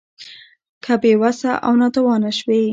که بې وسه او ناتوانه شوې